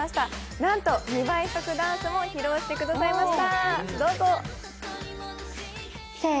なんと２倍速ダンスも披露してくださいました。